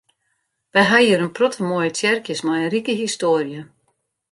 Wy ha hjir in protte moaie tsjerkjes mei in rike histoarje.